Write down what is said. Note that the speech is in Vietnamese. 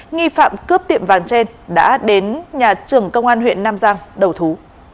nghi phạm cướp tiệm vàng trên đã đến nhà trưởng công an huyện nam giang đầu thú